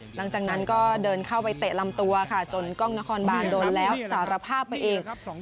หลังจากนั้นก็เดินเข้าไปเตะลำตัวค่ะจนกล้องนครบานโดนแล้วสารภาพมาเอง